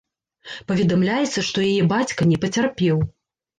Паведамляецца, што яе бацька не пацярпеў.